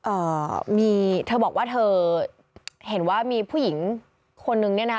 เอ่อมีเธอบอกว่าเธอเห็นว่ามีผู้หญิงคนนึงเนี่ยนะ